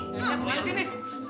nih ngasih nih